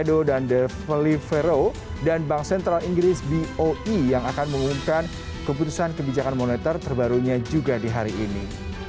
dan bank central inggris boe yang akan mengumumkan keputusan kebijakan moneter terbarunya juga di hari ini